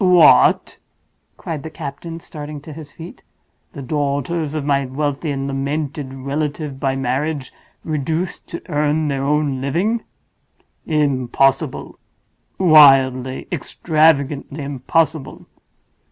"What!!!" cried the captain, starting to his feet. "The daughters of my wealthy and lamented relative by marriage reduced to earn their own living? Impossible—wildly, extravagantly impossible!"